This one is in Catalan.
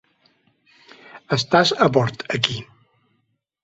Estàs a bord aquí.